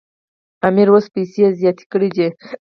امیر اوس پیسې زیاتې کړي دي.